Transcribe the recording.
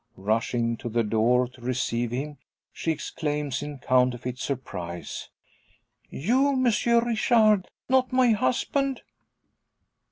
Rushing to the door to receive him, she exclaims in counterfeit surprise "You, Monsieur Richard! Not my husband!"